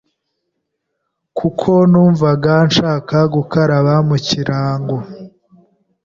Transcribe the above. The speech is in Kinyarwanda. kuko numvaga nshaka gukaraba kugirango